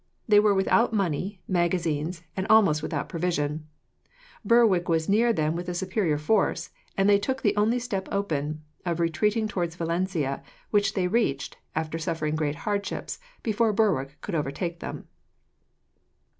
They were without money, magazines, and almost without provisions. Berwick was near them with a superior force, and they took the only step open, of retreating towards Valencia, which they reached, after suffering great hardships, before Berwick could overtake them.